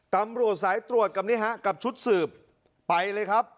ตำรวจสายตรวจกับนี่ฮะกับชุดสืบไปเลยครับ